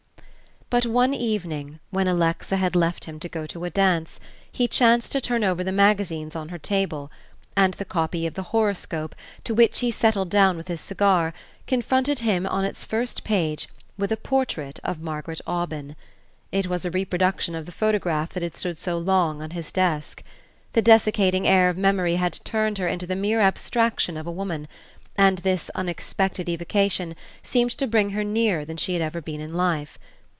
But one evening, when Alexa had left him to go to a dance, he chanced to turn over the magazines on her table, and the copy of the Horoscope, to which he settled down with his cigar, confronted him, on its first page, with a portrait of Margaret Aubyn. It was a reproduction of the photograph that had stood so long on his desk. The desiccating air of memory had turned her into the mere abstraction of a woman, and this unexpected evocation seemed to bring her nearer than she had ever been in life.